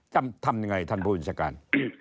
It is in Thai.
ทำยังไงท่านผู้บัญชาการ